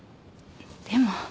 でも。